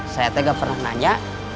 saya tidak pernah bertanya